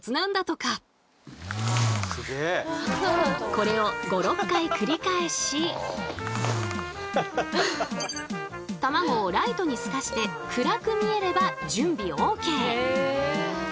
これをたまごをライトに透かして暗く見えれば準備ＯＫ。